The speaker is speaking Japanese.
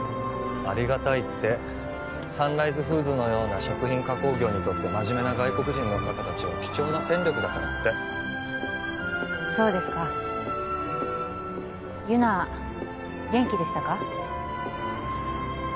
ありがたいってサンライズフーズのような食品加工業にとって真面目な外国人の方達は貴重な戦力だからってそうですか優菜元気でしたか？